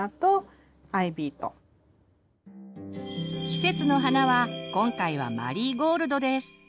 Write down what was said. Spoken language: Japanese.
季節の花は今回はマリーゴールドです。